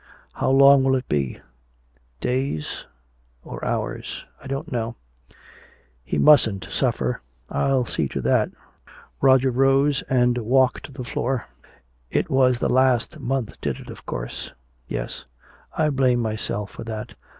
"How long will it be?" "Days or hours I don't know." "He mustn't suffer!" "I'll see to that." Roger rose and walked the floor. "It was the last month did it, of course " "Yes " "I blame myself for that."